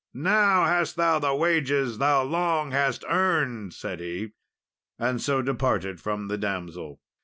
"Now hast thou the wages thou long hast earned!" said he; and so departed from the damsel.